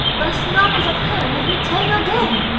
But the Snark is at hand, let me tell you again!